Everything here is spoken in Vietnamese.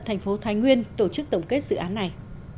thành phố thái nguyên tổ chức tổng kết dự án này